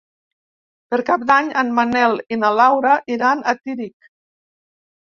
Per Cap d'Any en Manel i na Laura iran a Tírig.